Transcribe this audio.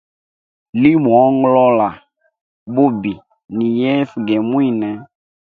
Limuongolola bubi ni yesu ge mwine.